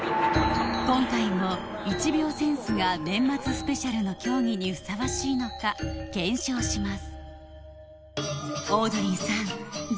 今回も「１秒センス」が年末スペシャルの競技にふさわしいのか検証します